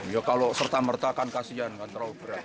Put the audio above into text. ya kalau serta merta kan kasihan kan terlalu berat